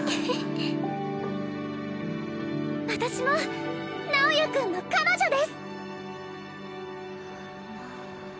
私も直也君の彼女です！